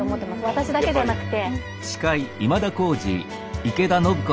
私だけじゃなくて。